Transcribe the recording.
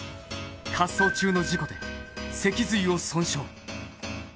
滑走中の事故で脊髄を損傷。